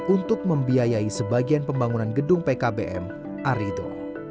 untuk membiayai sebagian pembangunan gedung pkbm arido